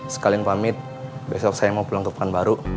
sekalian pamit besok saya mau pulang ke perang baru